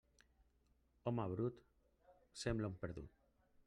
Home brut, sembla un perdut.